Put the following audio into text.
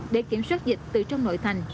để kiểm soát dịch từ trong nội thành